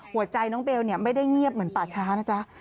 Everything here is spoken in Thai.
หัวใจน้องเบลไม่ได้เงียบเหมือนป่าช้านะจ๊ะ